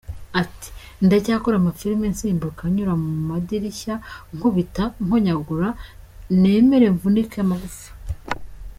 Ati “ Ndacyakora amafilime, nsimbuka nyura mu madirishya, nkubita, nkonyagura, nemere mvunike amagufa.